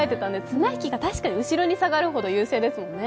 綱引きが確かに後ろに下がるほど優勢ですもんね。